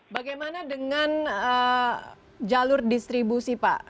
bagaimana dengan jalur distribusi pak